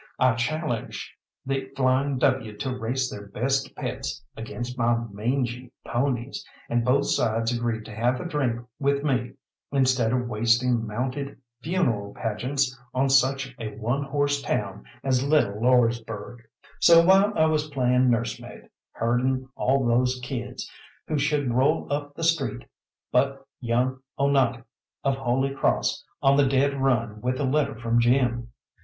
I challenged the Flying W. to race their best pets against my "mangy" ponies, and both sides agreed to have a drink with me, instead of wasting mounted funeral pageants on such a one horse town as little Lordsburgh. So while I was playing nursemaid, herding all those kids, who should roll up the street but young Onate, of Holy Cross, on the dead run with a letter from Jim.